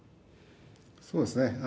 そうですね。